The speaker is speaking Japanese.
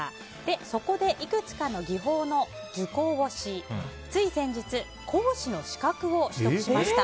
そこでいくつかの技法の受講をしつい先日、講師の資格を取得しました。